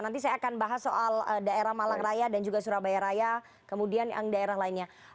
nanti saya akan bahas soal daerah malang raya dan juga surabaya raya kemudian yang daerah lainnya